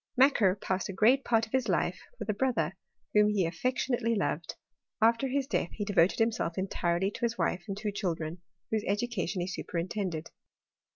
Macquer passed a great part of his life with a bro ther, whom he affectionately loved : after his death he devoted himself entirely to his wife and two chil dren, whose education he superintended.